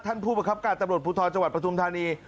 ผู้ประคับการตำรวจภูทรจังหวัดปฐุมธานี